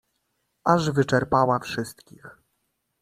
"Aż wyczerpała wszystkich."